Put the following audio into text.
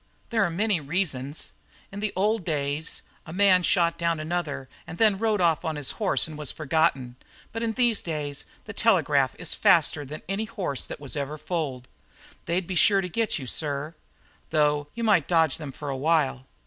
"'There are many reasons. In the old days a man shot down another and then rode off on his horse and was forgotten, but in these days the telegraph is faster than any horse that was ever foaled. They'd be sure to get you, sir, though you might dodge them for a while.